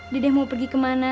dedek mau pergi kemana